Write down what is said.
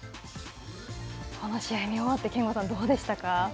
この試合見終わって、憲剛さん、どうでしたか。